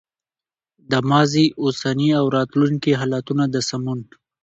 د ماضي، اوسني او راتلونکي حالتونو د سمون